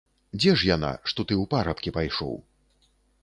Дзе ж яна, што ты ў парабкі пайшоў?